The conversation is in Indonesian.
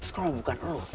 terus kamu bukan elu